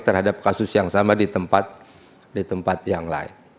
terhadap kasus yang sama di tempat yang lain